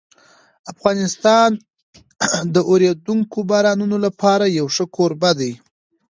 افغانستان د اورېدونکو بارانونو لپاره یو ښه کوربه دی.